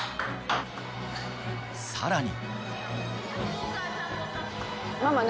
さらに。